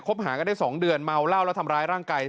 หากันได้๒เดือนเมาเหล้าแล้วทำร้ายร่างกาย